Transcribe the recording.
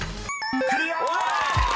［クリア！］